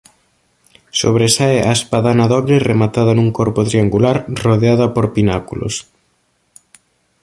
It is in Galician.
Sobresae a espadana dobre rematada nun corpo triangular rodeada por pináculos.